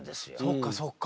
そっかそっか。